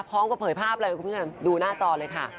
พร้อมกับเผยภาพเลยคุณผู้ชมดูหน้าจอเลยค่ะ